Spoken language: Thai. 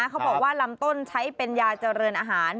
เขาบอกว่าลำต้นใช้เป็นยาเจริญอาหาร